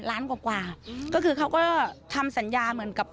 ล้านกว่าก็คือเขาก็ทำสัญญาเหมือนกับ